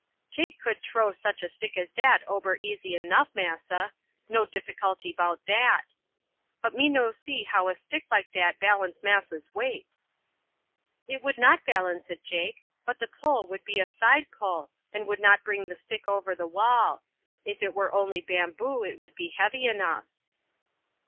"Jake could t'row such a stick as dat ober easy enough, massa no difficulty about dat; but me no see how a stick like dat balance massa's weight." "It would not balance it, Jake, but the pull would be a side pull and would not bring the stick over the wall. If it were only bamboo it would be heavy enough."